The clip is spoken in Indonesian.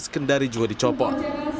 tujuh belas kendari juga dicopot